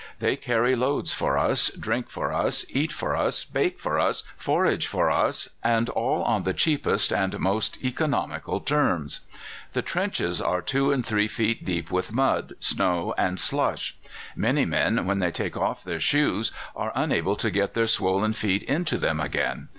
They carry loads for us, drink for us, eat for us, bake for us, forage for us and all on the cheapest and most economical terms. "The trenches are two and three feet deep with mud, snow, and slush. Many men, when they take off their shoes, are unable to get their swollen feet into them again.